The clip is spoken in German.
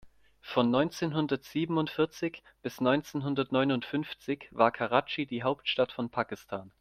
Von neunzehnhundertsiebenundvierzig bis neunzehnhundertneunundfünfzig war Karatschi die Hauptstadt von Pakistan.